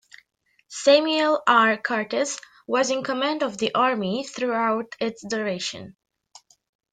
Samuel R. Curtis was in command of the army throughout its duration.